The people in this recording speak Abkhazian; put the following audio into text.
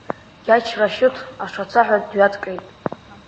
Гьач Рашьыҭ ашацаҳәа дҩаҵҟьеит.